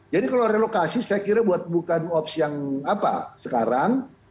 jadi kalau relokasi saya kira bukan opsi yang apa sekarang